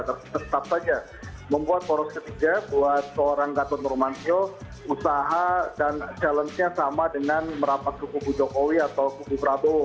tetap saja membuat poros ketiga buat seorang gatot nurmantio usaha dan challenge nya sama dengan merapat ke kubu jokowi atau kubu prabowo